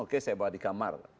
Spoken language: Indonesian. oke saya bawa di kamar